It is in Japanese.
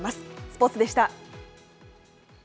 スポーツでした。